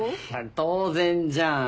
当然じゃん。